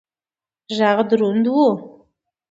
غږ دروند و.